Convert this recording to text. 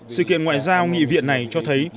sự kiện ngoại giao nghị viện này cho thấy